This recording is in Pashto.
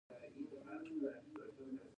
د ایف این ای سي د ستنې معاینه ده.